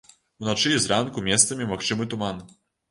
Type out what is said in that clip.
Уначы і зранку месцамі магчымы туман.